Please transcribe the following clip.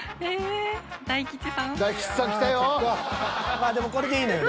まあでもこれでいいのよ。